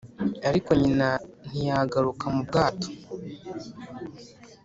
ariko nyina ntiyagaruka mu bwato.